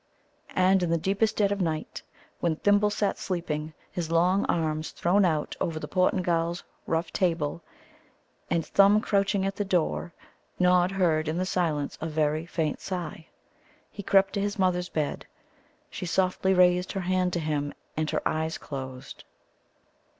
And in the deepest dead of night, when Thimble sat sleeping, his long arms thrown out over the Portingal's rough table, and Thumb crouching at the door, Nod heard in the silence a very faint sigh. He crept to his mother's bed. She softly raised her hand to him, and her eyes closed.